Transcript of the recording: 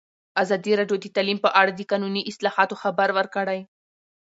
ازادي راډیو د اقلیم په اړه د قانوني اصلاحاتو خبر ورکړی.